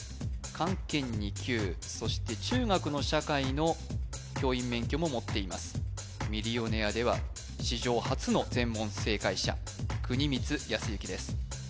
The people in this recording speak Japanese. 漢検２級そして中学の社会の教員免許も持っています「ミリオネア」では史上初の全問正解者國光恭幸です